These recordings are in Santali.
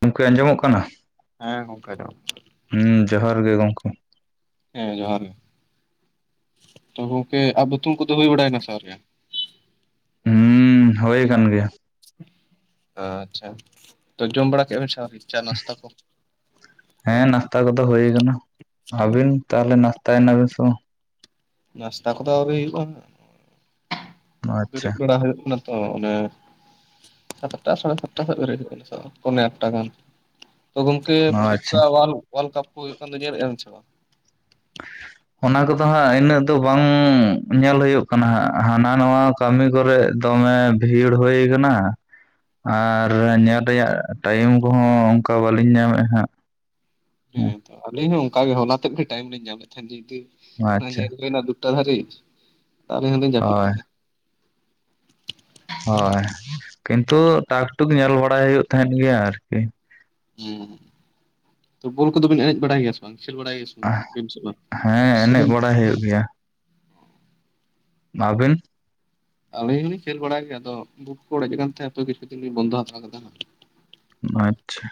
ᱜᱚᱢᱠᱮ ᱟᱸᱡᱚᱢᱚᱜ ᱠᱟᱱᱟ? ᱦᱮᱸ ᱜᱚᱝᱠᱮ ᱟᱡᱚᱢᱚᱜ ᱠᱟᱱᱟ ᱦᱩᱸ ᱡᱚᱦᱟᱨ ᱜᱮ ᱜᱚᱝᱠᱮ ᱦᱮᱸ ᱡᱚᱦᱟᱨ ᱜᱮ ᱛᱚ ᱜᱚᱢᱠᱮ [unintelligible] ᱠᱚᱫᱚ ᱦᱩᱭ ᱵᱟᱲᱟᱭ ᱱᱟᱥᱮ ᱟᱣᱨᱤ ᱦᱩᱸ ᱦᱳᱭ ᱠᱟᱱ ᱜᱮᱭᱟ ᱟᱪᱪᱷᱟ ᱛᱚ ᱡᱚᱢ ᱵᱟᱲᱟ ᱠᱮᱜᱟ ᱵᱮᱱ ᱥᱮ ᱟᱣᱨᱤ ᱪᱟ ᱱᱟᱥᱛᱟ ᱠᱚ ᱦᱮᱸ ᱱᱟᱥᱛᱟ ᱠᱚᱫᱚ ᱦᱳᱭ ᱠᱟᱱᱟ, ᱟᱹᱵᱤᱱ ᱛᱟᱦᱞᱮ ᱱᱟᱥᱛᱟᱭ ᱱᱟᱵᱤᱱ ᱥᱮ ᱵᱟᱝ? ᱱᱟᱥᱛᱟ ᱠᱚᱫᱚ ᱟᱹᱣᱨᱤ ᱦᱩᱭᱩᱜᱼᱟ ᱟᱪᱪᱷᱟ ᱵᱮᱨᱮᱫ ᱵᱟᱲᱟ ᱦᱳᱭᱳᱜ ᱠᱟᱱᱟ ᱛᱚ ᱚᱱᱮ ᱥᱟᱛᱴᱟ ᱥᱟᱲᱮ ᱥᱟᱛᱴᱟ ᱥᱮᱫ ᱵᱮᱨᱮᱫ [unintelligible] ᱯᱚᱱᱮ ᱟᱴᱴᱟ ᱜᱟᱱ ᱛᱚ ᱜᱚᱝᱠᱮ ᱯᱷᱤᱯᱟ ᱟᱪᱪᱷᱟ ᱚᱣᱟᱞ ᱠᱟᱯ ᱠᱚ ᱦᱳᱭᱳᱜ ᱠᱟᱱ ᱫᱚ ᱧᱮᱞ ᱮᱜᱟ ᱵᱤᱱ ᱥᱮ ᱵᱟᱝ? ᱚᱱᱟ ᱠᱚᱫᱚ ᱦᱟᱜ ᱤᱱᱟᱹᱜ ᱫᱚ ᱵᱟᱝ ᱧᱮᱞ ᱦᱳᱭᱳᱜ ᱠᱟᱱᱟ ᱦᱟᱜ ᱦᱟᱱᱟ ᱱᱟᱣᱟ ᱠᱟᱹᱢᱤ ᱠᱚᱨᱮᱜ ᱫᱚᱢᱮ ᱵᱷᱤᱲ ᱦᱳᱭ ᱠᱟᱱᱟᱹ ᱟᱨ ᱧᱮᱞ ᱨᱮᱭᱟᱜ ᱴᱟᱭᱤᱢ ᱠᱚᱦᱚᱸ ᱚᱱᱠᱟ ᱵᱟᱹᱞᱤᱧ ᱧᱟᱢ ᱮᱜᱟ ᱦᱟᱜ ᱦᱮᱸ ᱛᱚ ᱟᱞᱤᱧ ᱦᱚᱸ ᱚᱝᱠᱟ ᱜᱮ ᱦᱚᱞᱟ ᱛᱮᱜ ᱠᱟᱹᱡ ᱴᱟᱭᱤᱢ ᱞᱤᱧ ᱧᱟᱢ ᱞᱮᱫ ᱛᱟᱦᱮᱫ ᱡᱮ ᱦᱩᱛᱩ ᱟᱪᱪᱷᱟ [unintelligible] [unintelligible] ᱴᱟ ᱟᱵᱤᱱ ᱦᱚᱸᱵᱤᱱ ᱡᱟᱹᱯᱤᱫ ᱦᱳᱭ ᱠᱮᱫᱟ ᱦᱳᱭ ᱠᱤᱱᱛᱩ ᱴᱟᱠ ᱴᱩᱠ ᱧᱮᱞ ᱵᱟᱲᱟᱭ ᱦᱳᱭᱳᱜ ᱛᱟᱦᱮᱱ ᱜᱮᱭᱟ ᱟᱨᱠᱤ ᱦᱩᱸ ᱛᱚ ᱵᱚᱞ ᱠᱚᱫᱚ ᱵᱤᱱ ᱮᱱᱮᱡ ᱵᱟᱲᱟᱭ ᱜᱮᱭᱟ ᱥᱮ ᱵᱟᱝ ᱠᱷᱮᱞ ᱵᱟᱲᱟᱭ ᱜᱮᱭᱟ ᱥᱮ ᱵᱟᱝ? ᱵᱤᱱ ᱥᱮ ᱵᱟᱝ? ᱦᱮᱸ ᱮᱱᱮᱡ ᱥᱮᱵᱤᱱ ᱵᱟᱲᱟᱭ ᱦᱳᱭᱳᱜ ᱜᱮᱭᱟ ᱟᱵᱤᱱ ᱟᱹᱞᱤᱧ ᱦᱚᱸᱞᱤᱧ ᱠᱷᱮᱞ ᱵᱟᱲᱟᱭ ᱜᱮᱭᱟ ᱟᱫᱚ ᱵᱩᱴ ᱠᱚ ᱚᱲᱮᱡ ᱠᱟᱱ ᱛᱟᱦᱮᱫ ᱛᱚ ᱠᱤᱪᱷᱩ ᱫᱤᱱᱞᱤᱧ ᱵᱚᱱᱫᱚ ᱦᱟᱛᱟᱲ ᱠᱟᱫᱟ ᱦᱟᱸ ᱟᱪᱪᱷᱟ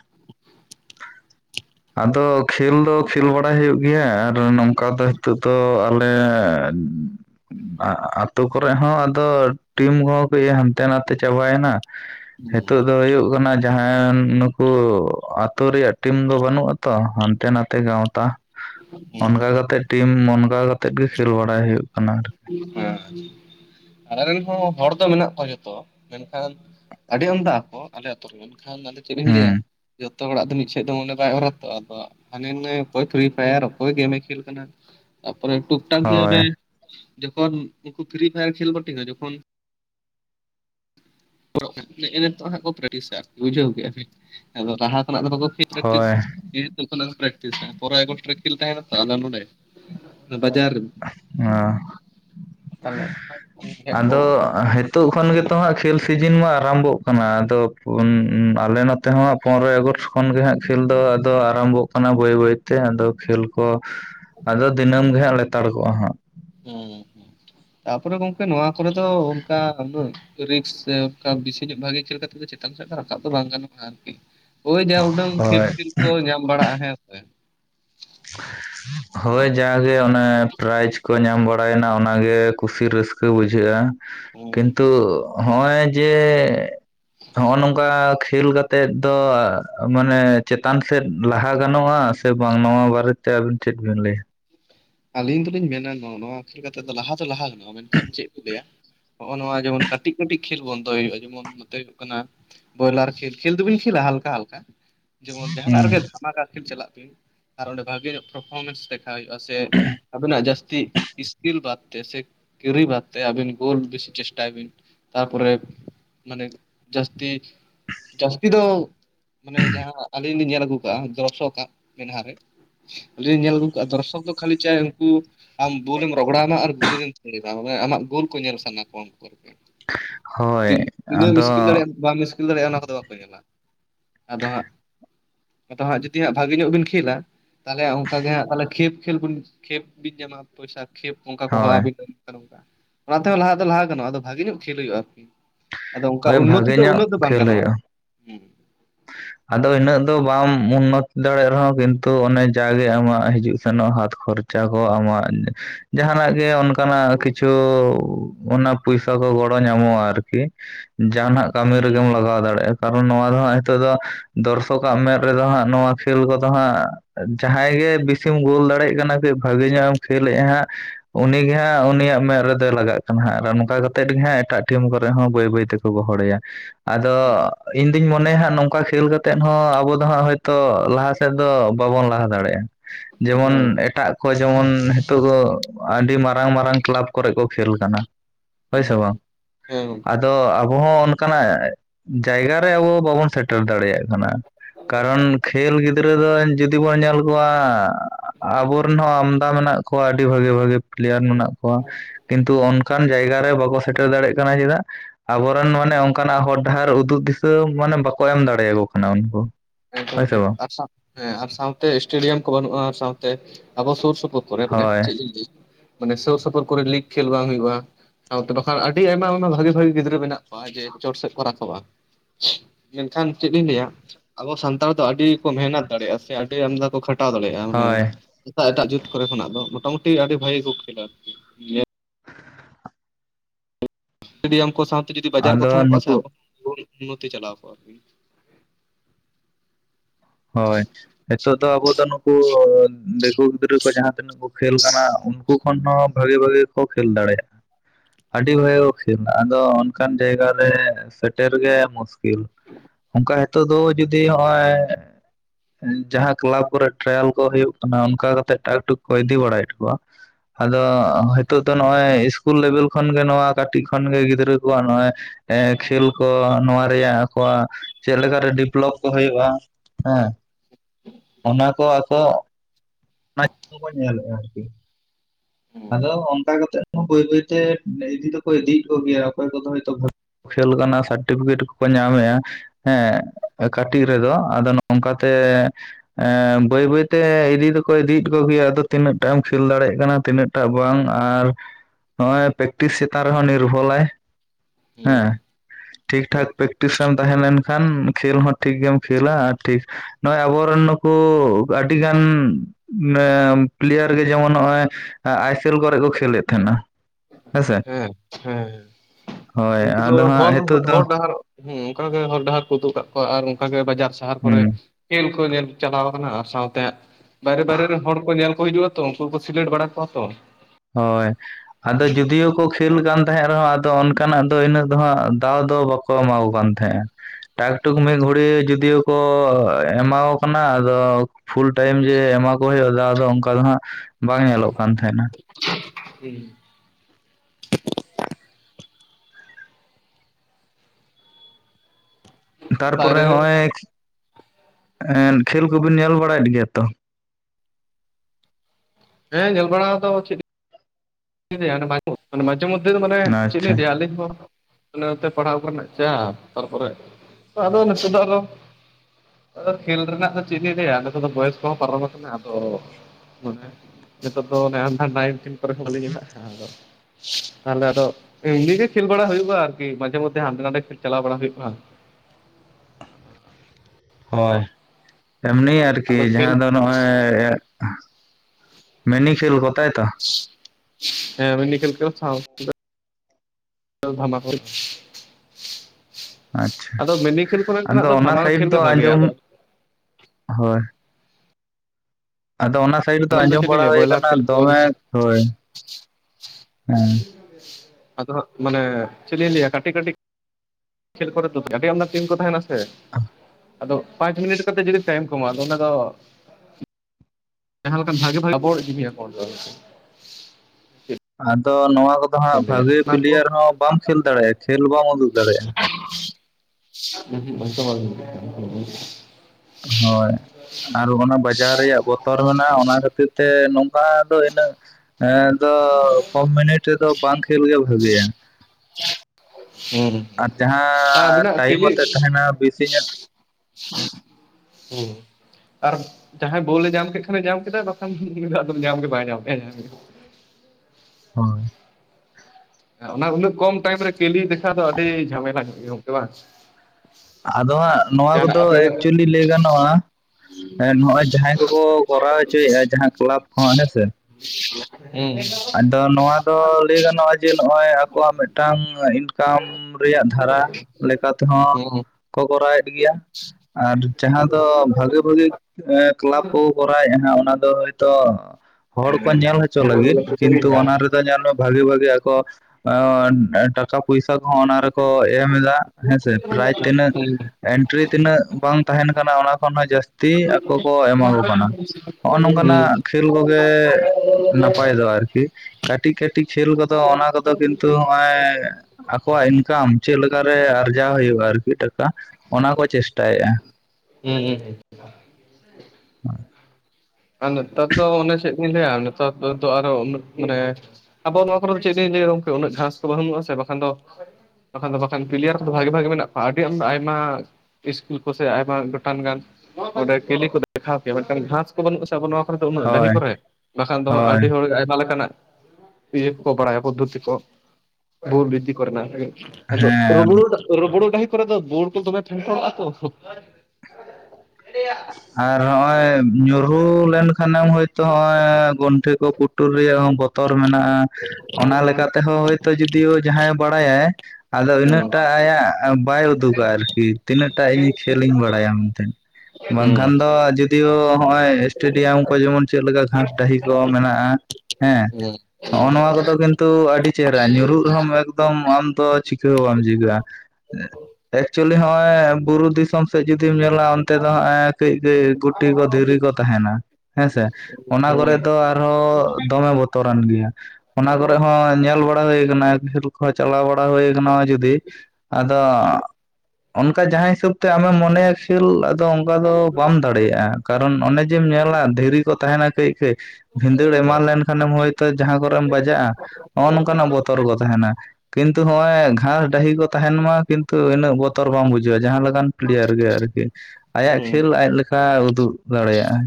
ᱟᱫᱚ ᱠᱷᱮᱞ ᱫᱚ ᱠᱷᱮᱞ ᱵᱟᱲᱟᱭ ᱦᱳᱭᱳᱜ ᱜᱮᱭᱟ ᱟᱨ ᱱᱚᱝᱠᱟ ᱫᱚ ᱦᱤᱛᱳᱜ ᱫᱚ ᱟᱞᱮ ᱟᱛᱳ ᱠᱚᱨᱮᱜ ᱦᱚᱸ ᱟᱫᱚ ᱴᱤᱢ ᱠᱚᱦᱚᱸ ᱠᱡ ᱦᱟᱱᱛᱮ ᱱᱟᱛᱮ ᱪᱟᱵᱟᱭᱱᱟ ᱦᱤᱛᱳᱜ ᱦᱟᱸᱜ᱾ ᱫᱚ ᱦᱩᱭᱩᱜ ᱠᱟᱱᱟ ᱡᱟᱦᱟᱭ ᱱᱩᱠᱩ ᱟᱛᱳ ᱨᱮᱭᱟᱜ ᱴᱤᱢ ᱫᱚ ᱵᱟᱹᱱᱩᱜ ᱛᱚ ᱦᱟᱱᱛᱮ ᱱᱟᱛᱮ ᱜᱟᱶᱛᱟ ᱚᱱᱠᱟ ᱠᱟᱛᱮᱫ ᱴᱤᱢ ᱚᱱᱠᱟ ᱠᱟᱛᱮᱫ ᱜᱮ ᱠᱷᱮᱞ ᱵᱟᱲᱟᱭ ᱦᱩᱭᱩᱜ ᱠᱟᱱᱟ, ᱦᱮᱸ ᱟᱞᱮ ᱨᱮᱱ ᱦᱚᱸ ᱦᱚᱲ ᱫᱚ ᱢᱮᱱᱟᱜ ᱠᱚᱣᱟ ᱡᱚᱛᱚ ᱢᱮᱱᱠᱷᱟᱱ ᱟᱹᱰᱤ ᱟᱢᱫᱟ ᱟᱠᱚ ᱟᱞᱮ ᱟᱹᱛᱩ ᱨᱮ ᱢᱮᱱᱠᱷᱟᱱ ᱟᱫᱚ ᱪᱮᱫ ᱤᱧ ᱦᱩᱸ ᱞᱟᱹᱭᱟ ᱡᱚᱛᱚ ᱦᱚᱲ ᱟᱜ ᱫᱚ ᱢᱤᱫ ᱥᱮᱱ ᱫᱚ ᱢᱚᱱᱮ ᱵᱟᱭ ᱚᱨ ᱟᱛᱚ ᱟᱫᱚ ᱦᱟᱱᱮ ᱱᱮ ᱚᱠᱚᱭ ᱯᱷᱨᱤ ᱯᱷᱟᱭᱟᱨ ᱚᱠᱚᱭ ᱜᱮᱢᱮ ᱠᱷᱮᱞ ᱠᱟᱱᱟ ᱛᱟᱨᱯᱚᱨᱮ ᱴᱩᱠ ᱴᱟᱠ ᱜᱮ ᱦᱳᱭ ᱚᱱᱮ ᱡᱚᱠᱷᱚᱱ ᱩᱱᱠᱩ ᱯᱷᱨᱤ ᱯᱷᱟᱭᱟᱨ ᱠᱷᱮᱞ ᱵᱟᱴᱤ ᱠᱚ ᱡᱚᱠᱷᱚᱱ ᱠᱟᱱ ᱱᱤᱛᱚᱜ ᱦᱜ ᱠᱚ ᱯᱨᱮᱠᱴᱤᱥᱟ ᱵᱩᱡᱷᱟᱹᱣ ᱠᱮᱫ ᱟᱫᱚ ᱞᱟᱦᱟ ᱠᱷᱚᱱᱟᱜ ᱫᱚ ᱵᱟᱠᱚ ᱯᱨᱮᱠᱴᱤᱥ ᱦᱳᱭ ᱱᱤᱦᱟᱛ ᱯᱨᱠᱴᱤᱥ ᱯᱚᱨᱚ ᱮ ᱜᱥᱴ ᱨᱮᱠᱤᱞ ᱛᱟᱦᱮᱱᱟ ᱟᱞ ᱱᱚᱲᱰᱮ ᱵᱟᱡᱟᱨ ᱛᱟᱦᱚᱞᱮ ᱦ ᱜᱮᱫ ᱠᱚ ᱟᱫᱚ ᱦᱮᱛ ᱱᱤᱛᱚᱜ ᱠᱷᱚᱱ ᱜᱮᱛᱚ ᱦᱟᱸᱜ ᱠᱷᱮᱞ ᱥᱤᱡᱤᱱ ᱢᱟ ᱟᱨᱟᱢᱵᱷᱚᱜ ᱠᱟᱱᱟ ᱟᱫᱚ ᱟᱞᱮ ᱱᱚᱛᱮ ᱛᱮᱦᱚᱸ ᱯᱚᱱᱨᱚᱭ ᱟᱜᱚᱥᱴ ᱠᱷᱚᱱ ᱜᱮ ᱦᱟᱜ ᱠᱷᱮᱞ ᱫᱚ ᱟᱫᱚ ᱟᱨᱟᱢᱵᱷᱚᱜ ᱠᱟᱱᱟ ᱵᱟᱹᱭ ᱵᱟᱹᱭᱛᱮ ᱟᱫᱚ ᱠᱷᱮᱞ ᱠᱚ ᱟᱫᱚ ᱫᱤᱱᱟᱹᱢ ᱜᱮ ᱦᱟᱜ ᱞᱮᱛᱟᱲ ᱠᱚᱜᱼᱟ ᱦᱟᱜ ᱦᱩᱸ ᱛᱟᱯᱚᱨᱮ ᱜᱚᱝᱠᱮ ᱱᱚᱣᱟ ᱠᱚᱨᱮ ᱫᱚ ᱚᱱᱠᱟ [unintelligible] ᱨᱤᱠᱥ ᱥᱮ ᱚᱠᱟ ᱵᱮᱥᱤ ᱧᱚᱜ ᱵᱷᱟᱜᱤ ᱠᱷᱮᱞ ᱠᱟᱛᱮ ᱪᱮᱛᱟᱱ ᱥᱮᱫ ᱫᱚ ᱨᱟᱠᱟᱵ ᱫᱚ ᱵᱟᱝ ᱜᱟᱱᱚᱜᱼᱟ ᱟᱨᱠᱤ ᱳᱭ ᱡᱟ ᱩᱰᱟᱹᱝ ᱠᱷᱮᱯ ᱦᱳᱭ ᱠᱷᱮᱞ ᱠᱚ ᱧᱟᱢ ᱵᱟᱲᱟᱜᱼᱟ ᱦᱮᱸ ᱥᱮ [unintelligible] ᱦᱳᱭ ᱡᱟᱜᱮ ᱚᱱᱮ ᱯᱨᱟᱭᱤᱡᱽ ᱠᱚ ᱧᱟᱢ ᱵᱟᱲᱟᱭᱮᱱᱟ ᱚᱱᱟᱜᱮ ᱠᱩᱥᱤ ᱨᱟᱹᱥᱠᱟᱹ ᱵᱩᱡᱷᱟᱹᱜᱼᱟ ᱦᱩᱸ ᱠᱤᱱᱛᱩ ᱦᱩᱸ ᱦᱚᱜᱼᱚᱭ ᱡᱮ ᱦᱚᱸᱜᱼᱚ ᱱᱚᱝᱠᱟ ᱠᱷᱮᱞ ᱠᱟᱛᱮ ᱛᱮᱫ ᱫᱚ ᱢᱟᱱᱮ ᱪᱮᱛᱟᱱ ᱥᱮᱫ ᱞᱟᱦᱟ ᱜᱟᱱᱚᱜᱼᱟ ᱥᱮ ᱵᱟᱝ ᱱᱚᱣᱟ ᱵᱟᱨ ᱟᱛᱮ ᱟᱵᱤᱱ ᱪᱮᱫ ᱵᱤᱱ ᱞᱟᱹᱭᱟ ᱟᱹᱞᱤᱧ ᱫᱚᱞᱤᱧ ᱢᱮᱱᱟ ᱱᱚᱜ ᱱᱚᱣᱟ ᱪᱤᱠᱟᱹ ᱛᱮᱫᱚ ᱫᱚ ᱞᱟᱦᱟ ᱫᱚ ᱞᱟᱦᱟ ᱜᱟᱱᱚᱜᱼᱟ ᱢᱮᱱᱠᱷᱟᱱ ᱪᱮᱫ ᱠᱚ ᱞᱟᱹᱭᱟ ᱱᱚᱜᱼᱚᱭ ᱱᱚᱣᱟ ᱡᱮᱢᱚᱱ ᱠᱟᱹᱴᱤᱡ ᱠᱟᱹᱴᱤᱡ ᱠᱷᱮᱞ ᱵᱚᱱᱫᱚᱭ ᱦᱩᱭᱩᱜᱼᱟ ᱡᱮᱢᱚᱱ ᱱᱚᱛᱮ ᱦᱩᱭᱩᱜ ᱠᱟᱱᱟ ᱵᱚᱭᱞᱟᱨ ᱠᱷᱮᱞ ᱠᱷᱮᱞ ᱫᱚᱵᱤᱱ ᱠᱷᱮᱞᱟ ᱦᱟᱞᱠᱟ ᱦᱟᱞᱠᱟ ᱡᱮᱢᱚᱱ ᱡᱟᱦᱱᱟᱜ ᱦᱩᱸ ᱨᱮᱜᱮ ᱫᱷᱟᱢᱟᱠᱟ ᱠᱷᱮᱞ ᱪᱟᱞᱟᱜ ᱵᱤᱱ ᱟᱨ ᱚᱸᱰᱮ ᱵᱷᱟᱜᱮ ᱧᱚᱜ ᱯᱟᱨᱯᱷᱚᱨᱢᱮᱱᱥ ᱫᱮᱠᱷᱟᱣ ᱦᱩᱭᱩᱜᱼᱟ ᱥᱮ ᱟᱹᱵᱤᱱᱟᱜ ᱡᱟᱹᱥᱛᱤ ᱤᱥᱠᱤᱞ ᱵᱟᱫᱛᱮ ᱥᱮ ᱠᱤᱨᱤ ᱵᱟᱫᱛᱮ ᱟᱹᱵᱤᱱ ᱜᱚᱞ ᱵᱮᱥᱤ ᱪᱮᱥᱴᱟᱭ ᱵᱤᱱ ᱛᱟᱨᱯᱚᱨᱮ ᱢᱟᱱᱮ ᱡᱟᱹᱥᱛᱤ ᱡᱟᱹᱥᱛᱤ ᱫᱚ ᱢᱟᱱᱮ ᱡᱟᱦᱟᱸ ᱟᱹᱞᱤᱧ ᱞᱤᱧ ᱧᱮᱞ ᱟᱹᱜᱩ ᱠᱟᱜᱼᱟ ᱫᱚᱨᱥᱚᱠᱟᱜ ᱢᱮᱫᱦᱟ ᱨᱮ ᱟᱹᱞᱤᱧ ᱞᱤᱧ ᱧᱮᱞ ᱟᱹᱜᱩ ᱠᱟᱜᱼᱟ ᱫᱚᱨᱥᱚᱠ ᱫᱚ ᱠᱷᱟᱹᱞᱤ ᱪᱟᱭ ᱩᱱᱠᱩ ᱟᱢ ᱵᱳᱞᱮᱢ ᱨᱚᱜᱚᱲᱣᱱᱟ ᱟᱨ ᱵᱳᱞᱤ ᱨᱮᱢ ᱛᱷᱟᱹᱲ ᱮᱱᱟ ᱢᱟᱱᱮ ᱟᱢᱟᱜ ᱜᱳᱞ ᱠᱚ ᱧᱮᱞ ᱥᱟᱱᱟ ᱠᱚᱣᱟ ᱩᱱᱠᱩ ᱦᱳᱭ ᱛᱤᱱᱟᱹᱜ ᱮᱢ ᱟᱫᱚ ᱤᱥᱠᱤᱞ ᱫᱟᱲᱮᱭᱟᱜᱼᱟ ᱵᱟᱢ ᱤᱥᱠᱤᱞ ᱫᱟᱲᱮᱭᱟᱜᱼᱟ ᱚᱱᱟ ᱠᱚᱫᱚ ᱵᱟᱠᱚ ᱧᱮᱞᱟ ᱟᱫᱚ ᱦᱟᱸᱜ ᱟᱫᱚ ᱦᱟᱸᱜ ᱡᱩᱫᱤ ᱦᱟᱸᱜ ᱵᱷᱟᱜᱤ ᱧᱚᱜ ᱵᱤᱱ ᱠᱷᱮᱹᱞᱟ ᱛᱟᱦᱚᱞᱮ ᱦᱟᱸᱜ ᱚᱱᱠ ᱜᱮ ᱦᱟᱸᱜ ᱠᱷᱮᱞ ᱠᱷᱮᱞ ᱵᱚᱱ ᱠᱷᱮᱯ ᱵᱤᱱ ᱡᱟᱢᱟ ᱯᱚᱭᱥᱟ ᱠᱷᱮᱯ ᱚᱱᱠᱟ ᱠᱚ ᱦᱳᱭ ᱦᱚᱦᱚᱣᱟᱵᱤᱱ ᱠᱟᱱᱟ ᱠᱟ ᱞᱮᱠᱟᱜ ᱚᱱᱟᱛᱮ ᱦᱚᱸ ᱞᱟᱦᱟ ᱫᱚ ᱞᱟᱦᱟ ᱜᱟᱱᱚᱜᱼᱟ ᱟᱫᱚ ᱵᱷᱟᱹᱜᱤ ᱧᱚᱜ ᱠᱷᱮᱞ ᱦᱩᱭᱩᱜᱼᱟ ᱟᱨᱠᱤ ᱟᱫᱚ ᱚᱱᱠᱟ ᱦᱳᱭ ᱩᱱᱱᱚᱛᱤ ᱵᱷᱟᱜᱮ ᱫᱚ ᱧᱚᱜ ᱩᱱᱟᱹᱜ ᱫᱚ ᱵᱟᱝ ᱠᱷᱮᱞ ᱜᱟᱱᱚᱜᱼᱟ ᱦᱩᱭᱩᱜᱼᱟ ᱦ ᱟᱫᱚ ᱤᱱᱟᱹᱜ ᱫᱚ ᱵᱟᱢ ᱩᱱᱱᱚᱛ ᱫᱟᱲᱮᱭᱟᱜ ᱨᱮᱦᱚᱸ ᱠᱤᱱᱛᱩ ᱚᱱᱮ ᱡᱟᱜᱮ ᱟᱢᱟᱜ ᱦᱤᱡᱩᱜ ᱥᱮᱱᱚᱜ ᱦᱟᱛ ᱠᱷᱚᱨᱪᱟ ᱪᱟ ᱠᱚ ᱟᱢᱟᱜ ᱡᱟᱦᱟᱱᱟᱜ ᱜᱮ ᱚᱱ ᱚᱱᱠᱟᱱᱟᱜ ᱠᱤᱪᱷᱩ ᱚᱱᱟ ᱯᱚᱭᱥᱟ ᱫᱚ ᱜᱚᱲᱚ ᱧᱟᱢᱚᱜᱼᱟ ᱟᱨᱠᱤ ᱡᱟᱦᱟᱱᱟᱜ ᱠᱟᱹᱢᱤ ᱨᱮᱜᱮᱢ ᱦᱩᱸ ᱞᱟᱜᱟᱣ ᱫᱟᱲᱮᱜᱼᱟ ᱠᱟᱨᱚᱱ ᱱᱚᱣᱟ ᱨᱮ ᱦᱟᱸᱜ ᱱᱤᱛᱚᱜ ᱫᱚ ᱫᱚᱨᱥᱚᱠᱟᱜ ᱢᱮᱫ ᱨᱮᱫᱚ ᱦᱟᱸᱜ ᱱᱚᱣᱟ ᱠᱷᱮᱞ ᱠᱚᱫᱚ ᱦᱟᱸᱜ ᱡᱟᱦᱟᱸᱭ ᱜᱮ ᱵᱤᱥ ᱥᱮᱢ ᱜᱳᱞ ᱫᱟᱲᱮᱭᱟᱜ ᱠᱟᱱᱟ ᱯᱮ ᱵᱷᱟᱜᱮ ᱧᱚᱜ ᱮᱢ ᱠᱷᱮᱞᱮᱫᱼᱟ ᱦᱟᱸᱜ ᱩᱱᱤᱜ ᱦᱟᱸᱜ ᱩᱱᱤᱭᱟᱜ ᱢᱮᱫ ᱨᱮᱫᱚᱭ ᱞᱟᱜᱟᱜ ᱠᱟᱱᱟ ᱦᱟᱸᱜ ᱟᱨ ᱱᱚᱝᱠᱟ ᱠᱟᱛᱮᱫ ᱜᱮ ᱦᱟᱸᱜ ᱮᱴᱟᱜ ᱴᱷᱤᱢ ᱠᱚᱨᱮ ᱦᱚᱸ ᱵᱟᱹᱭ ᱵᱟᱹᱭ ᱛᱮᱠᱚ ᱜᱚᱦᱚᱲᱮᱭᱟ ᱟᱫᱚ ᱦᱩᱸ ᱤᱧ ᱫᱩᱧ ᱢᱚᱱᱮᱭᱟ ᱦᱟᱜ ᱱᱚᱝᱠᱟ ᱠᱷᱮᱞ ᱠᱟᱛᱮᱜ ᱦᱚᱸ ᱟᱵᱚ ᱫᱚ ᱦᱟᱸᱜ ᱦᱭᱛᱚ ᱞᱟᱦᱟ ᱥᱮᱫ ᱫᱚ ᱵᱟᱵᱚᱱ ᱞᱟᱦᱟ ᱫᱟᱲᱮᱭᱟᱜᱼᱟ ᱦᱩᱸ ᱡᱮᱢᱚᱱ ᱮᱴᱟᱜ ᱚᱠᱚᱭ ᱡᱮᱢᱚᱱ ᱱᱤᱛᱚᱜ ᱫᱚ ᱟᱹᱰᱤ ᱢᱟᱨᱟᱝ ᱢᱟᱨᱟᱝ ᱠᱟᱞᱟᱵᱽ ᱠᱚᱨᱮ ᱠᱚ ᱠᱷᱮᱞ ᱠᱟᱱᱟ ᱦᱳᱭ ᱥᱮ ᱦᱮᱸ ᱦᱩᱸ ᱦᱩᱸ ᱵᱟᱝ ᱦᱮᱸ ᱜᱚᱝᱠᱮ ᱟᱫᱚ ᱟᱵᱚᱦᱚᱸ ᱚᱱᱠᱟᱱᱟᱜ ᱡᱟᱭᱜᱟ ᱨᱮ ᱟᱵᱚ ᱵᱟᱵᱚᱱ ᱥᱮᱴ ᱥᱮᱴᱮᱨ ᱫᱟᱲᱮᱭᱟᱜ ᱠᱟᱱᱟ ᱠᱟᱨᱚᱱ ᱠᱷᱮᱞ ᱜᱤᱫᱽᱨᱟᱹ ᱫᱚ ᱡᱩᱫᱤ ᱵᱚᱱ ᱧᱮᱞ ᱠᱚᱣᱟ ᱟᱵᱚᱨᱮᱱ ᱦᱚᱸ ᱟᱢᱫᱟ ᱢᱮᱱᱟᱜ ᱠᱚᱣᱟ ᱟᱹᱰᱤ ᱵᱷᱟᱜᱮᱹ ᱵᱷᱟᱜᱮᱹ ᱯᱮᱞᱮᱭᱟᱨ ᱢᱮᱱᱟᱜ ᱠᱚᱣᱟ ᱠᱤᱱᱛᱩ ᱚᱱᱠᱟᱱ ᱡᱟᱭᱜᱟᱨᱮ ᱵᱟᱠᱚ ᱥᱮᱴᱮᱨ ᱫᱟᱲᱮᱜ ᱠᱟᱱᱟ ᱪᱮᱫᱟᱜ ᱟᱵᱚᱨᱮᱱ ᱢᱟᱱᱮ ᱚᱱᱠᱟᱱᱟᱜ ᱦᱚᱨ ᱰᱟᱦᱟᱨ ᱩᱫᱩᱜ ᱫᱤᱥᱟᱹ ᱢᱟᱱᱮ ᱵᱟᱠᱚ ᱮᱢ ᱫᱟᱲᱮᱭᱟᱠᱚ ᱠᱟᱱᱟ ᱩᱱᱠᱩ ᱮᱠᱫᱚᱢ ᱦᱳᱭ ᱥᱮ ᱴᱷᱤᱠ ᱵᱟᱝ ᱦᱮᱸ ᱟᱨ ᱥᱟᱶᱛᱮ ᱤᱥᱴᱮᱰᱤᱭᱟᱢ ᱠᱚ ᱵᱟᱹᱱᱩᱜᱼᱟ ᱟᱨ ᱥᱟᱶᱛᱮ ᱟᱵᱚ ᱥᱩᱨ ᱥᱩᱯᱩᱨ ᱠᱚᱨᱮ ᱵᱚᱞᱮ ᱦᱳᱭ ᱪᱮᱫ ᱢᱟᱱᱮ ᱥᱩᱨ ᱥᱩᱯᱩᱨ ᱠᱚᱨᱮ ᱞᱤᱜᱽ ᱠᱷᱮᱞ ᱵᱟᱝ ᱦᱩᱭᱩᱜᱼᱟ ᱾ ᱥᱟᱶᱛᱮ ᱵᱟᱠᱷᱟᱱ ᱟᱹᱰᱤ ᱟᱭᱢᱟ ᱟᱭᱢᱟ ᱵᱷᱟᱜᱤ ᱵᱷᱟᱜᱤ ᱜᱤᱫᱽᱨᱟᱹ ᱢᱮᱱᱟᱜ ᱠᱚᱣᱟ ᱡᱮ ᱪᱚᱴ ᱥᱮᱫ ᱠᱚ ᱨᱟᱠᱟᱵᱟ ᱾ ᱢᱮᱱᱠᱷᱟᱱ ᱪᱮᱫ ᱤᱧ ᱞᱟᱹᱭᱟ ᱾ ᱟᱵᱚ ᱥᱟᱱᱛᱟᱲ ᱫᱚ ᱟᱹᱰᱤ ᱠᱚ ᱢᱮᱦᱱᱟᱛ ᱫᱟᱲᱮᱭᱟᱜᱼᱟ ᱥᱮ ᱟᱹᱰᱤ ᱟᱢᱫᱟ ᱠᱚ ᱠᱷᱟᱴᱟᱣ ᱫᱟᱲᱮᱭᱟᱜᱼᱟ ᱢᱟᱱᱮ ᱦᱳᱭ ᱾ ᱮᱴᱟᱜ ᱮᱴᱟᱜ ᱡᱩᱛ ᱠᱚᱨᱮ ᱠᱷᱚᱱᱟᱜ ᱫᱚ ᱢᱚᱴᱟᱢᱩᱴᱤ ᱟᱹᱰᱤ ᱵᱷᱟᱜᱤ ᱠᱚ ᱠᱷᱮᱞᱟ ᱴᱤᱰᱤᱭᱟᱢ ᱠᱚ ᱥᱟᱶᱛᱮ ᱡᱩᱫᱤ ᱵᱟᱡᱟᱨ ᱠᱚ ᱟᱫᱚ ᱛᱟᱦᱮᱸ ᱠᱚᱜᱼᱟ ᱥᱮ ᱱᱩᱠᱩ ᱟᱵᱚ ᱩᱱᱱᱚᱛᱤ ᱪᱟᱞᱟᱣ ᱠᱚᱜᱼᱟ ᱟᱨᱠᱤ ᱦᱳᱭ ᱾ ᱱᱤᱛᱚᱜ ᱫᱚ ᱟᱵᱚ ᱫᱚ ᱱᱩᱠᱩ ᱫᱤᱠᱩ ᱜᱤᱫᱽᱨᱟᱹ ᱠᱚ ᱡᱟᱦᱟᱸ ᱛᱤᱱᱟᱹᱜ ᱠᱚ ᱠᱷᱮᱞ ᱠᱟᱱᱟ ᱩᱱᱠᱩ ᱾ ᱦᱩᱸ ᱠᱷᱚᱱ ᱦᱚᱸ ᱵᱷᱟᱜᱤ ᱵᱷᱟᱜᱤ ᱠᱚ ᱠᱷᱮᱞ ᱫᱟᱲᱮᱭᱟᱜᱼᱟ ᱾ ᱟᱹᱰᱤ ᱵᱷᱟᱜᱤ ᱠᱚ ᱠᱷᱮᱞ ᱱᱟ ᱟᱫᱚ ᱚᱱᱠᱟᱱ ᱡᱟᱭᱜᱟ ᱨᱮ ᱥᱮᱴᱮᱨ ᱜᱮ ᱢᱩᱥᱠᱤᱞ ᱾ ᱩᱠᱤᱞ ᱚᱱᱠᱟ ᱦᱮᱛᱚᱜ ᱫᱚ ᱡᱩᱫᱤ ᱱᱚᱜᱼᱚᱭ ᱾ ᱡᱟᱦᱟᱸ ᱠᱟᱞᱟᱵ ᱠᱚᱨᱮ ᱴᱨᱟᱭᱟᱞ ᱠᱚ ᱦᱩᱭᱩᱜ ᱠᱟᱱᱟ ᱚᱱᱠᱟ ᱠᱟᱛᱮᱜ ᱴᱟᱠᱴᱩᱠ ᱠᱚ ᱤᱫᱤ ᱵᱟᱲᱟᱭᱮᱫ ᱠᱚᱣᱟ ᱾ ᱟᱫᱚ ᱦᱤᱛᱚᱜ ᱛᱚ ᱱᱚᱜᱼᱚᱭ ᱤᱥᱠᱩᱞ ᱞᱮᱵᱮᱞ ᱠᱷᱚᱱᱜᱮ ᱱᱚᱣᱟ ᱠᱟᱹᱴᱤᱡ ᱠᱷᱚᱱᱜᱮ ᱜᱤᱫᱽᱨᱟᱹ ᱠᱚᱣᱟᱜ ᱱᱚᱜᱼᱚᱭ ᱾ ᱠᱷᱮᱞ ᱠᱚ ᱱᱚᱣᱟ ᱨᱮᱭᱟᱜ ᱟᱠᱚᱣᱟᱜ ᱪᱮᱫᱞ ᱞᱮᱠᱟᱨᱮ ᱰᱮᱵᱷᱞᱚᱯ ᱠᱚ ᱦᱩᱭᱩᱜᱼᱟ? ᱦᱮᱸ ᱚᱱᱟ ᱠᱚ ᱟᱠᱚ ᱾ [unintelligible] ᱧᱮᱞᱮᱫᱼᱟ ᱟᱨᱠᱤ ᱟᱫᱚ ᱚᱱᱠᱟ ᱠᱟᱛᱮ ᱾ ᱦᱚᱸ ᱵᱟᱹᱭ ᱵᱟᱹᱭᱛᱮ ᱤᱫᱤ ᱫᱚ ᱠᱚᱭ ᱤᱫᱤ ᱜᱮᱭᱟ ᱚᱠᱚᱭ ᱠᱚᱫᱚ ᱦᱚᱭᱛᱚ ᱾ ᱠᱷᱮᱞ ᱠᱟᱱᱟ ᱥᱟᱨᱴᱤᱯᱷᱤᱠᱮᱴ ᱠᱚᱠᱚ ᱧᱟᱢᱮᱜᱼᱟ ᱦᱮᱸ ᱠᱟᱹᱴᱤᱡ ᱨᱮᱫᱚ ᱟᱫᱚ ᱾ ᱚᱱᱠᱟᱛᱮ ᱾ ᱮᱸ ᱵᱟᱹᱭ ᱵᱟᱹᱭᱛᱮ ᱤᱫᱤ ᱫᱚᱠᱚ ᱤᱫᱤᱭᱮᱫ ᱠᱚᱜᱮᱭᱟ ᱟᱫᱚ ᱛᱤᱱᱟᱹᱜ ᱴᱟᱜ ᱮᱢ ᱠᱷᱮᱞ ᱫᱟᱲᱮᱭᱟᱜ ᱠᱟᱱᱟ ᱛᱤᱱᱟᱹᱜ ᱾ ᱮᱴᱟᱜ ᱵᱟᱝ ᱟᱨ ᱱᱚᱜᱼᱚᱭ ᱯᱮᱠᱴᱤᱥ ᱪᱮᱛᱟᱱ ᱨᱮᱦᱚᱸ ᱱᱤᱨᱵᱷᱚᱞᱟᱭ ᱾ ᱦᱮᱸ ᱴᱷᱤᱠ ᱴᱷᱟᱠ ᱯᱮᱠ ᱴᱤᱥ ᱨᱮᱢ ᱛᱟᱦᱮᱸ ᱞᱮᱱ ᱠᱷᱟᱱ ᱠᱷᱮᱞ ᱦᱚᱸ ᱴᱷᱤᱠ ᱜᱮᱢ ᱠᱷᱮᱞᱟ ᱾ ᱴᱷᱤᱠ ᱱᱚᱜᱼᱚᱭ ᱟᱵᱚᱨᱮᱱ ᱱᱩᱠᱩ ᱟᱹᱰᱤ ᱜᱟᱱ ᱯᱞᱮᱭᱟᱨ ᱜᱮ ᱡᱮᱢᱚᱱ ᱱᱚᱜᱼᱚᱭ ᱟᱭᱥᱮᱞ ᱠᱚᱨᱮ ᱠᱚ ᱠᱷᱮᱞᱮᱫ ᱛᱟᱦᱮᱱᱟ ᱾ ᱦᱮᱸ ᱦᱮᱸ ᱦᱳᱭ ᱩᱱᱠᱩ ᱫᱚ ᱟᱫᱚ ᱦᱟᱸᱜ ᱦᱚᱨ, ᱦᱤᱛᱚᱜ ᱫᱚ ᱦᱚᱨ ᱰᱟᱦᱟᱨ ᱦᱮᱸ ᱚᱱᱠᱟᱜᱮ ᱦᱚᱨ ᱰᱟᱦᱟᱨ ᱠᱚ ᱩᱫᱩᱜ ᱠᱟᱜ ᱠᱚᱣᱟ ᱟᱨ ᱚᱱᱠᱟᱜᱮ ᱵᱟᱡᱟᱨ ᱥᱟᱦᱟᱨ ᱠᱚᱨᱮ ᱦᱩᱸ ᱠᱷᱮᱞ ᱠᱚ ᱧᱮᱞ ᱪᱟᱞᱟᱣ ᱟᱠᱟᱱᱟ ᱟᱨ ᱥᱟᱶᱛᱮ ᱵᱟᱭᱨᱮ ᱵᱟᱭᱨᱮ ᱨᱮᱱ ᱦᱚᱲ ᱠᱚ ᱧᱮᱞ ᱠᱚ ᱦᱤᱡᱩᱜᱼᱟ ᱛᱚ ᱩᱱᱠᱩ ᱠᱚ ᱥᱤᱴᱮᱴ ᱵᱟᱲᱟ ᱠᱚᱣᱟ ᱛᱚ ᱾ ᱦᱳᱭ ᱟᱫᱚ ᱡᱩᱫᱤᱭᱳ ᱠᱚ ᱠᱷᱮᱞ ᱠᱟᱱ ᱛᱟᱦᱮᱸᱫ ᱨᱮᱦᱚᱸ ᱟᱫᱚ ᱚᱱᱠᱟ ᱞᱮᱠᱟᱱᱟᱜ ᱫᱚ ᱤᱱᱟᱹᱜ ᱫᱚ ᱦᱟᱸᱜ ᱫᱟᱣ ᱫᱚ ᱵᱟᱠᱚ ᱮᱢᱟ ᱠᱟᱱ ᱛᱟᱦᱮᱸᱜᱼᱟ ᱾ ᱴᱟᱠ ᱴᱩᱠ ᱢᱤᱫ ᱜᱷᱲᱤ ᱡᱩᱚᱫᱤᱭᱳ ᱠᱚ ᱮᱢᱟ ᱠᱟᱱᱟ ᱟᱫᱚ ᱯᱷᱩᱞ ᱴᱟᱭᱤᱢ ᱡᱮ ᱮᱢᱟ ᱠᱚ ᱦᱩᱭᱩᱜᱼᱟ, ᱫᱟᱣ ᱫᱚ ᱚᱱᱠᱟ ᱫᱚ ᱦᱟᱸᱜ ᱵᱟᱝ ᱧᱮᱞᱚᱜ ᱠᱟᱱ ᱛᱟᱦᱮᱱᱟ ᱾ ᱦᱩᱸ ᱾ ᱛᱟᱨᱯᱚᱨᱮ ᱵᱟᱭᱨᱮ ᱦᱚᱸᱜᱼᱚᱭ ᱠᱷᱮᱞ ᱠᱚᱵᱤᱱ ᱧᱮᱞ ᱵᱟᱲᱟᱭᱮᱫ ᱜᱮᱭᱟ ᱛᱚ? ᱦᱮᱸ ᱧᱮᱞ ᱵᱟᱲᱟᱛᱚ ᱫᱚ ᱪᱮᱫ ᱤᱫᱮ ᱢᱟᱡᱷᱮᱚᱫᱽᱫᱷᱮ ᱫᱚ ᱢᱟᱱᱮ ᱪᱮᱫ ᱞᱤᱧ ᱞᱟᱹᱭ ᱟᱪᱪᱷᱟ ᱟᱜ ᱟᱹᱞᱤᱧ ᱦᱚᱸ ᱱᱚᱛᱮ ᱯᱟᱲᱦᱟᱣ ᱠᱚᱨᱮᱱᱟᱜ ᱪᱟᱯ ᱛᱟᱨᱯᱚᱨᱮ ᱟᱫᱚ ᱱᱤᱛᱚᱜ ᱫᱚ ᱟᱨᱚᱦᱚ ᱟᱫᱚ ᱠᱷᱮᱞ ᱨᱮᱱᱟᱜ ᱫᱚ ᱪᱮᱫ ᱞᱤᱧ ᱞᱟᱹᱭᱟ ᱱᱤᱛᱚᱜ ᱫᱚ ᱵᱚᱭᱮᱥ ᱠᱚᱦᱚᱸ ᱯᱟᱨᱚᱢ ᱟᱠᱟᱱᱟ ᱟᱫᱚ, ᱢᱟᱱᱮ ᱱᱤᱛᱚᱜ ᱫᱚ ᱚᱱᱮ ᱟᱱᱰᱟᱨ ᱱᱟᱭᱤᱱᱴᱤᱱ ᱠᱚᱨᱮ ᱦᱚᱸ ᱵᱟᱹᱞᱤ ᱜᱮ ᱦᱮᱱᱟᱜ-ᱟ, ᱛᱟᱦᱞᱮ ᱟᱫᱚ ᱮᱢᱱᱤᱜ ᱜᱮ ᱠᱷᱮᱞ ᱵᱟᱲᱟ ᱦᱩᱭᱩᱜᱼᱟ ᱟᱨᱠᱤ, ᱢᱟᱡᱷᱮ ᱢᱚᱫᱽᱫᱮ ᱦᱟᱸᱰᱮ ᱱᱟᱰᱮ ᱠᱷᱮᱞ ᱪᱟᱞᱟᱣ ᱵᱟᱲᱟ ᱦᱩᱭᱩᱜᱼᱟ ᱾ ᱦᱳᱭ ᱮᱢᱱᱤ ᱟᱨᱠᱤ ᱟᱫᱚ ᱠᱷᱮᱞ ᱡᱟᱦᱟᱸ ᱫᱚ ᱱᱚᱜᱼᱚᱭ ᱢᱮᱱᱤ ᱠᱷᱮᱞ ᱠᱚ ᱛᱟᱭᱛᱚ ᱾ ᱦᱮᱸ ᱢᱮᱱᱤ ᱠᱷᱮᱞ ᱠᱚ ᱥᱟᱣ ᱟᱫᱚ ᱫᱷᱟᱢᱟ ᱠᱚᱨᱮ ᱟᱪᱪᱷᱟ ᱟᱫᱚ ᱢᱤᱱᱤ ᱠᱷᱹᱮᱞ ᱠᱚᱨᱮ ᱫᱚᱱᱟᱜ ᱟᱫᱚ ᱫᱚ ᱚᱱᱟ ᱫᱷᱟᱢᱟ ᱥᱟᱭᱤᱰ ᱠᱷᱮᱞ ᱫᱚ ᱜᱮ ᱵᱷᱟᱜᱮᱭᱟ᱾ ᱟᱸᱡᱚᱢ ᱟᱫᱚ ᱦᱳᱭ ᱾ ᱟᱫᱚ ᱚᱱᱟ ᱥᱟᱭᱤᱰ ᱨᱮᱫᱚ ᱠᱷᱮᱞ ᱫᱚ ᱟᱸᱡᱚᱢ ᱪᱮᱫ ᱞᱤᱧ ᱵᱟᱲᱟ ᱞᱟᱹᱭᱟ ᱦᱩᱭ ᱵᱚᱭᱞᱟᱨ ᱟᱠᱟᱱᱟ ᱠᱷᱮᱞ ᱠᱚ ᱫᱚᱢᱮ, ᱦᱳᱭ ᱦᱮᱸ ᱾ ᱟᱫᱚ ᱢᱟᱱᱮ ᱪᱤᱞᱤᱧ ᱞᱟᱹᱭ ᱠᱟᱹᱴᱤᱡ ᱠᱟᱹᱴᱤᱡ ᱠᱷᱮᱞ ᱠᱳᱨᱮ ᱫᱚ ᱟᱰᱤ ᱟᱢᱫᱟ ᱴᱤᱢ ᱠᱚ ᱛᱟᱦᱮᱱᱟ ᱥᱮ ᱟᱫᱚ ᱯᱟᱸᱪ ᱢᱤᱱᱤᱴ ᱠᱟᱛᱮ ᱡᱩᱫᱤ ᱴᱟᱭᱤᱢ ᱠᱚ ᱮᱢᱚᱜᱼᱟ ᱚᱱᱟ ᱫᱚ ᱡᱟᱦᱟᱸ ᱞᱮᱠᱟᱱ ᱵᱷᱟᱜᱮ ᱵᱷᱟᱜᱮ ᱟᱵᱳ ᱟᱫᱚ ᱱᱚᱣᱟ ᱠᱚ ᱫᱚ ᱦᱟᱸᱜ ᱞᱟᱹᱭᱟ ᱵᱷᱟᱜᱮ ᱚᱱᱟ ᱠᱚ ᱯᱞᱮᱭᱟᱨ ᱦᱚᱸ ᱵᱟᱢ ᱠᱷᱮᱞ ᱫᱟᱲᱮᱭᱟᱜᱼᱟ ᱠᱷᱮᱞ ᱵᱟᱢ ᱩᱫᱩᱜ ᱫᱟᱲᱮᱭᱟᱜᱼᱟ᱾ ᱦᱸ [unintelligible] ᱦᱳᱭᱼ ᱟᱨ ᱚᱱᱟ ᱵᱟᱡᱟᱨ ᱨᱮᱭᱟᱜ ᱵᱚᱛᱚᱨ ᱢᱮᱱᱟᱜᱼᱟ, ᱚᱱᱟ ᱠᱷᱟᱹᱛᱤᱨ ᱛᱮ ᱱᱚᱝᱠᱟ ᱫᱚ ᱤᱱᱟᱹᱜ ᱦᱮᱸ ᱫᱚ [inaudible] ᱠᱚᱢ ᱢᱤᱱᱤᱴ ᱨᱮᱫᱚ ᱵᱟᱝ ᱠᱷᱹᱮᱞ ᱜᱮ ᱵᱷᱟᱜᱮᱭᱟ ᱾ ᱦᱮᱸ ᱟᱨ ᱡᱟᱦᱟᱸ ᱴᱟᱭᱤᱢ ᱟᱛᱮᱫ ᱛᱟᱦᱮᱸᱱᱟ ᱵᱮᱥᱤ ᱧᱚᱜ [inaudible] ᱦᱮᱸ ᱟᱨ ᱡᱟᱦᱟᱸᱭ ᱵᱳᱞ ᱮ ᱧᱟᱢ ᱠᱮᱫ ᱠᱷᱟᱱᱮ ᱧᱟᱢ ᱠᱮᱫᱟ ᱵᱟᱠᱷᱟᱱ ᱩᱱᱤᱚᱢ ᱧᱟᱢ ᱜᱮ ᱵᱟᱭ ᱧᱟᱢ ᱠᱮᱫ ᱦᱮᱸᱥᱮ? ᱦᱳᱭ᱾ ᱚᱱᱟ ᱩᱱᱟᱹᱜ ᱠᱚᱢ ᱴᱟᱭᱤᱢ ᱨᱮ ᱠᱮᱞᱤ ᱫᱮᱠᱷᱟ ᱫᱚ ᱟᱹᱰᱤ ᱡᱷᱟᱢᱮᱞᱟ ᱜᱮ ᱜᱚᱝᱠᱮ ᱵᱟᱝ? ᱟᱫᱚ ᱦᱟᱸᱜ ᱱᱚᱣᱟ ᱠᱚ ᱡᱟᱦᱟᱱᱟᱜ ᱫᱚ ᱮᱠᱪᱩᱭᱮᱞᱤ ᱞᱟᱹᱭ ᱜᱟᱱᱚᱜᱼᱟ, ᱦᱮᱸ ᱱᱚᱜᱚᱭ ᱡᱟᱦᱟᱸᱭ ᱠᱚᱼᱠᱚ ᱠᱚᱨᱟᱣ ᱦᱚᱪᱚᱭᱮᱫᱼᱟ ᱡᱟᱦᱟᱸ ᱠᱞᱳᱟᱯ ᱠᱚᱦ ᱦᱮᱸ ᱥᱮ? [unintelligible] ᱦᱩᱸ ᱟᱫᱚ ᱱᱚᱣᱟ ᱫᱚ ᱞᱟᱹᱭ ᱜᱟᱱᱚᱜᱼᱟ ᱡᱮ ᱱᱚᱜᱼᱚᱭ ᱟᱠᱚᱣᱼᱟᱜ ᱢᱤᱫ ᱢᱤᱫᱴᱟᱝ ᱤᱱᱠᱟᱢ ᱨᱮᱭᱟᱜ ᱫᱷᱟᱨᱟ ᱞᱮᱠᱟ ᱛᱮᱦᱚᱸ ᱦᱩᱸ ᱠᱠᱚ ᱠᱚᱨᱟᱣᱮᱫ ᱜᱮᱭᱟ ᱟᱨ ᱡᱟᱦᱟᱸ ᱫᱚ ᱵᱷᱟᱜᱤ ᱵᱷᱟᱹᱜᱤ ᱠᱞᱟᱵᱽ ᱠᱚ ᱠᱚᱨᱟᱣᱮᱫ ᱦᱟᱜ ᱚᱱᱟ ᱫᱚ ᱦᱳᱭᱛᱳ ᱦᱚᱲ ᱠᱚ ᱧᱮᱞ ᱦᱚᱪᱚ ᱞᱟᱹᱜᱤᱫ ᱠᱤᱱᱛᱩ ᱚᱱᱟ ᱨᱮ ᱧᱮᱞ ᱢᱮ ᱵᱷᱟᱜᱤ ᱵᱷᱟᱜᱤ ᱟᱠᱚ ᱳᱸ ᱳ ᱴᱟᱠᱟ ᱯᱚᱭᱥᱟ ᱠᱚ ᱦᱚᱸ ᱚᱱᱟ ᱨᱮ ᱠᱚ ᱮᱢ ᱮᱫᱟ ᱦᱮᱸᱥᱮ ᱯᱨᱟᱭ ᱛᱤᱱᱟᱹᱜ ᱦᱩᱸ ᱮᱱᱴᱨᱤ ᱛᱤᱱᱟᱹᱜ ᱵᱟᱝ ᱛᱟᱦᱮᱱ ᱠᱟᱱᱟ ᱚᱱᱟ ᱠᱷᱚᱱ ᱦᱚᱸ ᱡᱟᱹᱥᱛᱤ ᱦᱩᱸ ᱟᱠᱚ ᱠᱚ ᱮᱢᱟ ᱠᱚ ᱠᱟᱱᱟ᱾ ᱚᱦᱳᱱ ᱱᱚᱝᱠᱟᱱᱟᱜ ᱠᱷᱮᱞ ᱠᱚ ᱜᱮ ᱱᱟᱯᱟᱭ ᱫᱚ ᱟᱨᱠᱤ ᱠᱟᱹᱴᱤᱡ ᱠᱟᱹᱴᱤᱡ ᱠᱷᱮᱞ ᱠᱚ ᱫᱚ ᱚᱱᱟ ᱠᱚ ᱫᱚ ᱠᱤᱱᱛᱩ ᱱᱚᱜᱼᱚᱭ ᱟᱠᱚᱣᱟᱜ ᱤᱱᱠᱟᱢ ᱪᱮᱫᱞᱠᱟᱨᱮ ᱟᱨᱡᱟᱣ ᱦᱩᱭᱩᱜᱼᱟ ᱟᱨᱠᱤ ᱴᱟᱠᱟ, ᱚᱱᱟ ᱠᱚ ᱪᱮᱥᱴᱟᱭᱮᱫᱼᱟ ᱦᱩᱸᱼᱦᱩᱸ ᱦᱩᱸ ᱟᱨ ᱱᱮᱛᱟᱨ ᱫᱚ ᱚᱱᱮ ᱪᱮᱫ ᱤᱧ ᱞᱟᱹᱭᱟ ᱱᱮᱛᱟᱨ ᱫᱚ ᱟᱨᱚ ᱩᱱᱟᱹᱜ ᱢᱟᱱᱮ ᱟᱵᱚ ᱱᱚᱣᱟ ᱠᱚᱨᱮ ᱫᱚ ᱪᱮᱫ ᱪᱮᱫ ᱞᱤᱧ ᱞᱟᱹᱭᱫᱟ ᱜᱚᱝᱠ ᱩᱱᱟᱹᱜ ᱜᱷᱟᱥ ᱫᱚ ᱵᱟᱹᱱᱩᱜᱼᱟᱥᱮ ᱵᱟᱠᱷᱟᱱ ᱫᱚ ᱵᱟᱠᱷᱟᱱ ᱫᱚ ᱵᱟᱠᱷᱟᱱ ᱯᱞᱮᱭᱟᱨ ᱫᱚ ᱵᱷᱟᱜᱮ ᱵᱷᱟᱜᱮ ᱢᱮᱱᱟᱜ ᱠᱚᱣᱟ ᱟᱹᱰᱤ ᱟᱢᱫ ᱟᱭᱢᱟ ᱤᱥᱠᱩᱞ ᱠᱚᱥ ᱟᱭᱢᱟ ᱜᱚᱴᱟᱝ ᱜᱟᱱ ᱚᱸᱱᱰᱮ ᱠᱮᱞ ᱠᱚ ᱫᱮᱠᱷᱟᱣ ᱠᱮᱭᱟ ᱜᱷᱟᱥ ᱵᱟᱹᱱᱩᱜᱼ ᱟ ᱥᱮ ᱟᱵᱚ ᱱᱚᱣᱟ ᱠᱚᱨᱮ ᱫᱚ ᱩᱱᱟᱹᱜ ᱰᱟᱹᱦᱤ ᱦᱳᱭ ᱠᱚᱨᱮ ᱵᱟᱠᱷᱟᱱ ᱫᱚ ᱦᱳᱭ ᱟᱹᱰᱤ ᱦᱚᱲ ᱟᱭᱢᱟ ᱞᱮᱠᱟᱱᱟᱜ ᱤᱭᱟᱹ ᱠᱚ ᱠᱚ ᱵᱟᱲᱟᱭᱟ ᱯᱚᱫᱽ ᱫᱷᱚᱛᱤ ᱠᱚ, ᱵᱷᱩᱞ ᱵᱫᱷᱤ ᱠᱚᱨᱮᱱᱟᱜ ᱟᱫᱚ ᱦᱮᱸ ᱨᱩᱢᱨᱩᱴᱟ ᱨᱩᱵᱚᱲᱳ ᱰᱟᱹᱦᱤ ᱠᱚᱨᱮ ᱫᱚ ᱵᱳᱲ ᱠᱚ ᱫᱚᱢᱮ ᱯᱷᱮᱴᱚᱲᱚᱜᱼᱟ ᱛᱚ ᱟᱨ ᱦᱚᱸᱜ ᱳᱭ ᱧᱩᱦᱨᱩ ᱞᱮᱱ ᱠᱷᱟᱱᱮᱢ ᱦᱚᱭᱛᱚ ᱦᱚᱸᱜᱚᱭ ᱜᱚᱱᱴᱷᱮ ᱠᱚ ᱯᱩᱴ ᱴᱩᱨ ᱨᱮᱭᱟᱜ ᱦᱚᱸ ᱵᱚᱛᱚᱨ ᱢᱮᱱᱟᱜᱼᱟ, ᱚᱱᱟ ᱛᱮᱦᱚᱸ ᱦᱚᱳᱭᱛᱳ ᱡᱩᱫᱤᱭᱳ ᱡᱟᱦᱟᱸᱭ ᱵᱟᱲᱟᱭᱟᱭ ᱟᱫᱚ ᱤᱱᱟᱹᱜᱴᱟᱜ ᱟᱭᱟᱜ ᱵᱟᱭ ᱩᱫᱩᱜᱟ ᱟᱨᱠᱤ ᱛᱤᱱᱟᱹᱜᱴᱟ ᱤᱧ ᱠᱷᱹᱮᱞ ᱤᱧ ᱵᱟᱲᱟᱭᱟ ᱢᱮᱱᱛᱮ ᱵᱟᱝ ᱠᱷᱟᱱ ᱫᱚ ᱟᱡ ᱡᱫᱤᱭᱚ ᱱᱚᱜᱚᱭ ᱮᱴᱮᱰᱤᱭᱟᱢ ᱠᱚ ᱡᱮᱢᱚᱱ ᱪᱮᱫ ᱞᱮᱠᱟ ᱜᱷᱟᱥ ᱰᱟᱹᱦᱤ ᱠᱚ ᱢᱮᱱᱟᱜᱼᱟ ᱦᱮᱸ ᱦᱚᱸᱜᱼᱳᱚ ᱱᱚᱣᱟ ᱠᱚ ᱫᱚ ᱠᱤᱱᱛᱩ ᱟᱹᱰᱤ ᱪᱮᱦᱨᱟ ᱧᱩᱨᱩᱜ ᱨᱮᱦᱚᱸ ᱮᱠᱫᱚᱢ ᱟᱢ ᱫᱚ ᱪᱤᱠᱟᱹ ᱦᱚᱸ ᱵᱟᱢ ᱪᱤᱠᱟᱹᱜᱼᱟ ᱮᱠᱪᱩᱭᱮᱞᱤ ᱱᱚᱜᱼᱚᱭ ᱵᱩᱨᱩ ᱫᱤᱥᱚᱢ ᱥᱮᱫ ᱡᱩᱫᱤᱢ ᱧᱮᱞᱟ ᱚᱱᱼᱛᱮ ᱫᱚ ᱳᱜ ᱠᱟᱹᱡᱼ ᱠᱟᱹᱡ ᱜᱩᱴᱤ ᱠᱚ ᱫᱷᱤᱨᱤ ᱠᱚ ᱛᱟᱦᱮᱱᱟ ᱦᱮᱸ ᱥᱮ ᱚᱱᱟ ᱠᱚ ᱨᱮ ᱫᱚ ᱟᱨᱦᱚᱸ ᱫᱚᱢᱮ ᱵᱚᱛᱚᱨᱼᱟᱱ ᱜᱮᱭᱟ ᱚᱱᱟ ᱠᱚᱨᱮ ᱦᱚᱸ ᱧᱮᱞ ᱵᱟᱲᱟ ᱦᱩᱭ ᱠᱟᱱᱟ ᱠᱷᱮᱞ ᱠᱚᱦᱚᱸ ᱪᱟᱞᱟᱣ ᱵᱟᱲᱟ ᱦᱩᱭ ᱠᱟᱱᱟ ᱡᱩᱫᱤ ᱟᱫᱚ ᱚᱱᱠᱟ ᱡᱟᱦᱟᱸ ᱦᱤᱥᱟᱹᱵ ᱛᱮ ᱟᱢᱮᱢ ᱢᱚᱱᱮᱭᱟ ᱥᱮᱞ ᱟᱫᱚ ᱚᱱᱠᱟ ᱫᱚ ᱵᱟᱢ ᱫᱟᱲᱮᱭᱟᱜ ᱠᱮᱫ-ᱟ ᱠᱟᱨᱚᱱ ᱚᱱᱮ ᱡᱮᱢ ᱧᱮᱞᱟ ᱫᱷᱤᱨᱤ ᱠᱚ ᱛᱟᱦᱮᱱᱟ ᱠᱟᱹᱡ ᱠᱟᱹᱡ ᱵᱷᱤᱸᱫᱟᱹᱲ ᱮᱢᱟᱱ ᱞᱮᱱᱠᱷᱟᱱᱮᱢ ᱦᱚᱭ ᱛᱚ ᱡᱟᱦᱟᱸ ᱠᱚᱨᱮᱢ ᱵᱟᱡᱟᱜᱼᱟ, ᱱᱚᱜᱼᱚ ᱱᱚᱝᱠᱟᱱᱟᱜ ᱵᱚᱛᱚᱨ ᱠᱚ ᱛᱟᱦᱮᱱᱟ ᱠᱤᱱᱛᱩ ᱦᱚᱸᱜᱼᱚᱭ ᱜᱷᱟᱸᱥ ᱰᱟᱹᱦᱤ ᱠᱚ ᱛᱟᱦᱮᱱ ᱢᱟ ᱠᱤᱱᱛᱩ ᱩᱱᱟᱹᱜ ᱵᱚᱛᱚᱨ ᱵᱟᱝ ᱵᱩᱡᱷᱟᱹᱜᱼᱟ ᱡᱟᱦᱟᱸ ᱞᱮᱠᱟᱱ ᱯᱞᱮᱭᱟᱨ ᱜᱮ ᱟᱨᱠᱤ ᱦᱩᱸ ᱦᱩᱸ ᱟᱭᱟᱜ ᱦᱩᱸ ᱠᱷᱮᱞ ᱟᱡ ᱞᱮᱠᱟ ᱩᱫᱩᱜ ᱫᱟᱲᱮᱭᱟᱜᱟᱭ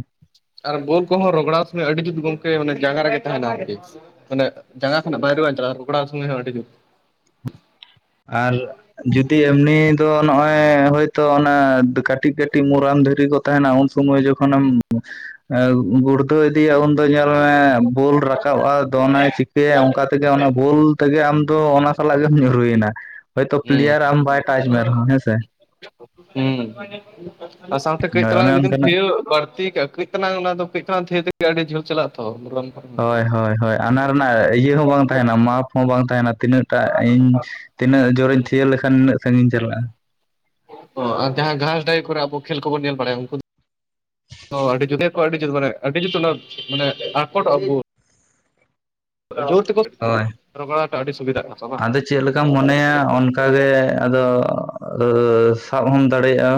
ᱟᱨ ᱵᱳᱞ ᱠᱚᱦᱚᱸ ᱨᱚᱜᱽᱟᱣ ᱥᱚᱢᱚᱭ ᱟᱹᱰᱤ ᱡᱩᱛ ᱜᱚᱝᱠᱮ ᱢᱟᱱᱮ ᱡᱟᱸᱜᱟ ᱨᱮᱜᱮ ᱛᱟᱦᱮᱱᱟ ᱟᱨᱠᱤ ᱢᱟᱱᱮ ᱡᱟᱸᱜᱟ ᱠᱷᱚᱱᱟᱜ ᱵᱟᱭᱧᱪᱞᱟ ᱨᱟᱜᱰᱟᱣ ᱥᱟᱢᱟᱭ ᱟᱰᱤ ᱵᱷᱟᱜᱤ ᱟᱨ ᱡᱩᱫᱤ ᱮᱢᱱᱮ ᱫᱚ ᱱᱚᱜᱼᱚᱭ ᱦᱳᱭᱛᱳ ᱚᱱᱟ ᱠᱟᱹᱴᱤᱡ ᱠᱟᱹᱴᱤᱡ ᱢᱩᱨᱟᱹᱱ ᱫᱷᱤᱨᱤ ᱠᱚ ᱛᱟᱦᱮᱱᱟ ᱩᱱ ᱥᱚᱢᱚᱭ ᱡᱚᱠᱷᱚᱱ ᱟᱢ ᱮᱸ ᱜᱩᱲ ᱛᱚ ᱤᱫᱤᱭᱟ ᱩᱱᱫᱚ ᱧᱮᱞ ᱢᱮ ᱮ ᱵᱳᱞ ᱨᱟᱠᱟᱵ-ᱟ ᱫᱚᱱᱟᱭ ᱪᱤᱠᱟᱹᱭᱟᱭ ᱚᱱᱠᱟᱛ ᱛᱮᱜᱮ ᱚᱱᱟ ᱵᱚᱞ ᱛᱮᱜᱮ ᱟᱢ ᱫᱚ ᱚᱱᱟ ᱥᱟᱞᱟᱜ ᱜᱮᱢ ᱧᱩᱨᱩᱭᱮᱼᱱᱟ ᱦᱳᱛᱳ ᱯᱞᱮᱭᱟᱨ ᱟᱢ ᱵᱟᱭ ᱴᱟᱪ ᱢᱮ ᱦᱩᱸ ᱨᱮᱦᱚᱸ ᱦᱮᱸ ᱥᱮ ᱦᱩᱸ ᱟᱨ ᱥᱟᱶᱛᱮ ᱠᱟᱹᱡ ᱦᱳᱭ ᱚᱱᱮ ᱛᱟᱞᱟᱝ ᱡᱩᱫᱤᱢ ᱚᱱᱠᱟᱱᱟᱜ ᱠᱟᱹᱨᱭᱟ. ᱣ ᱵᱟᱹᱲᱛᱤ ᱠᱟᱜᱼᱟ ᱠᱟᱹᱡ ᱚᱱᱟ ᱫᱚ ᱠᱟᱹᱡ ᱛᱮᱜ ᱟᱹᱰᱤ ᱡᱷᱟᱹᱞ ᱪᱟᱞᱟᱜ ᱛᱚ ᱦᱳᱭ ᱦᱳᱭ ᱦᱳᱭ ᱟᱱᱟ ᱨᱮᱱᱟᱜ ᱤᱭᱟᱹ ᱦᱚᱸ ᱵᱟᱝ ᱛᱟᱦᱮᱱᱟ ᱢᱟᱯ ᱦᱚᱸ ᱵᱟᱝ ᱛᱟᱦᱮᱱᱟ ᱛᱤᱱᱟᱹᱜᱴᱟᱜ ᱤᱧ ᱛᱤᱱᱟᱹᱜ ᱡᱚᱨᱤᱧ ᱛᱷᱤᱭᱟᱹ ᱞᱮᱠᱷᱟᱱ ᱤᱱᱟᱹᱜ ᱥᱟᱺᱤᱧ ᱪᱟᱞᱟᱜ-ᱟ᱾ ᱟᱨ ᱡᱟᱦᱟᱸ ᱜᱷᱟᱥ ᱰᱟᱹᱦᱤ ᱠᱚᱨᱮ ᱟᱵᱚ ᱠᱷᱮᱞ ᱠᱚᱵᱚᱱ ᱧᱮᱞ ᱵᱟᱲᱟᱭᱟ ᱩᱱᱠᱩ ᱫᱚ [inaudible] ᱟᱹᱰᱤ ᱡᱩᱫᱟᱹ ᱟᱹᱰᱤ ᱡᱩᱛ ᱢᱟᱱᱮ ᱟᱹᱰᱤ ᱡᱩᱛ ᱚᱱᱟ ᱢᱟᱱᱮ ᱟᱠᱚᱴᱚᱜᱼᱟ ᱠᱚ [inaudible] ᱡᱚᱨ ᱛᱮᱠᱚ ᱦᱳᱭ ᱨᱚᱜᱚᱲᱟ ᱴᱟᱜ ᱟᱹᱰᱤ ᱥᱩᱵᱤᱫᱷᱟᱜ ᱠᱟᱱᱟ ᱵᱟᱝ ᱟᱫᱚ ᱪᱮᱫ ᱞᱮᱠᱟᱢ ᱢᱚᱱᱮᱭᱟ ᱚᱱᱠᱟ ᱜᱮ ᱟᱫᱚ ᱥᱟᱵ ᱦᱚᱢ ᱫᱟᱲᱮᱭᱟᱜᱼᱟ